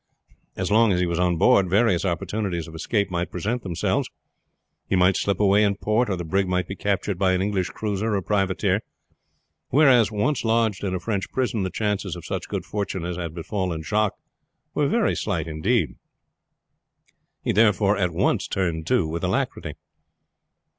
As long as he was on board various opportunities of escape might present themselves. He might slip away in port, or the brig might be captured by an English cruiser or privateer; whereas, once lodged in a French prison, the chances of such good fortune as had befallen Jacques were slight indeed. He therefore at once turned to with alacrity.